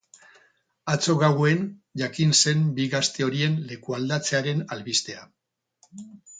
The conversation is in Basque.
Atzo gauean jakin zen bi gazte horien lekualdatzearen albistea.